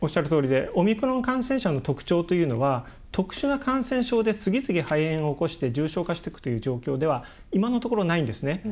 オミクロン感染者の特徴というのは、特殊な感染症で次々、肺炎を起こして重症化していくという状況では今のところないんですね。